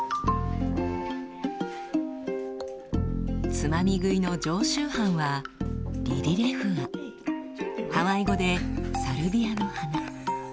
つまみ食いの常習犯はハワイ語で「サルビアの花」。